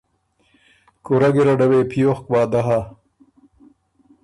کُورۀ ګیرډه وې پیوخک وعدۀ هۀ،